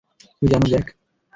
তুমি জানো জ্যাক?